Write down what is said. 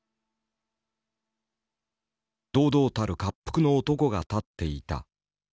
堂々たるかっぷくの男が立っていた。